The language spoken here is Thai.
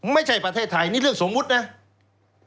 ไม่ใช่ประเทศไทยนี่เรื่องสมมุตินะ